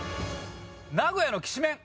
名古屋のきしめん。